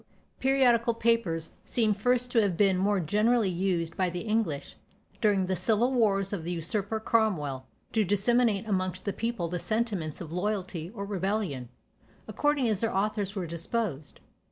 " Periodical papers seem first to have been more generally used by the English, during the civil wars of the usurper Cromwell, to disseminate amongst the people the sentiments of loyalty or rebellion, according as their authors were disposed.